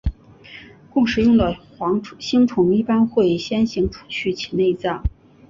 供食用的星虫一般会先行除去其内脏。